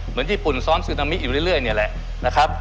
เหมือนญี่ปุ่นซ้อนซูนามิอยู่เรื่อยเนี่ยแหละ